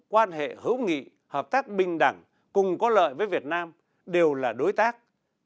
quan hệ hữu nghị hợp tác bình đẳng cùng có lợi với việt nam đều là đối tác